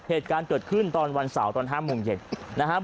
เหตุการณ์เกิดขึ้นตอนวันเสาร์ตอน๕โมงเย็นนะครับ